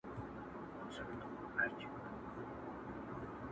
څوک نیژدې نه راښکاریږي٫